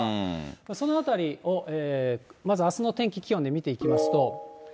そのあたりを、まずあすの天気、気温で見ていきますと。